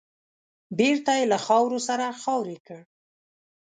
بېرته يې له خاورو سره خاورې کړ .